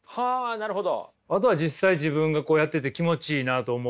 なるほど。